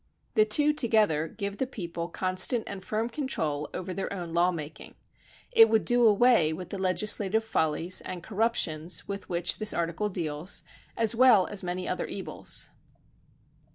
The two together give the people constant and firm control over their own law making. It would do away with the legisla tive follies and corruptions with which this article deals, as well as many other evils.